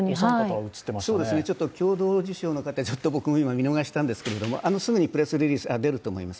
共同受賞の方、僕も今見逃したんですけどすぐにプレスリリースがくると思います。